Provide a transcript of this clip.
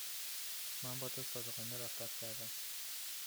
من با تو صادقانه رفتار کردم